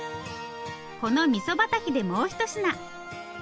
このみそばたきでもうひと品。